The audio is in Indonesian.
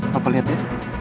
bapak lihat ya